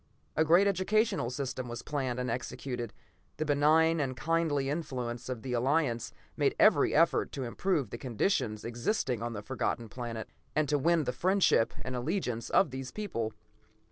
A great educational system was planned and executed, the benign and kindly influence of the Alliance made every effort to improve the conditions existing on the Forgotten Planet, and to win the friendship and allegiance of these people.